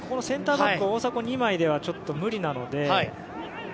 センターバック大迫、２枚ではちょっと無理なので。